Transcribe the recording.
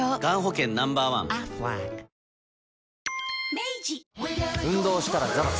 明治運動したらザバス。